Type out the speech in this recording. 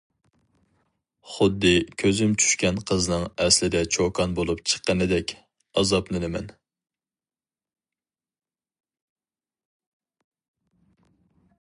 خۇددى كۆزۈم چۈشكەن قىزنىڭ ئەسلىدە چوكان بولۇپ چىققىنىدەك. ئازابلىنىمەن.